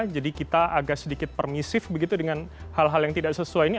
jadi kita agak sedikit permisif begitu dengan hal hal yang tidak sesuai ini